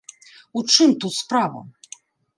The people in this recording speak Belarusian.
У чым тут справа?